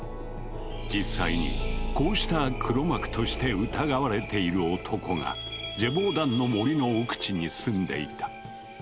実際にこうした黒幕として疑われている男がジェヴォーダンの森の奥地に住んでいた。